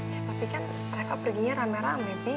ya tapi kan reva perginya rame rame b